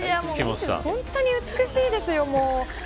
本当に美しいですよ。